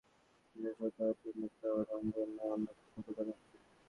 নিজে ছোট হওয়া থেকে মুক্ত হওয়ার জন্য অন্যকে ছোট করা হচ্ছে।